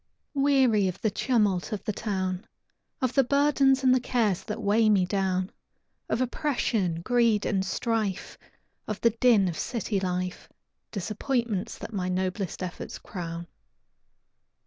Weary of the tumult of the town, Of the burdens and the cares that weigh me down, Of oppression, greed, and strife, Of the din of city life, Disappointments that my noblest efforts crown.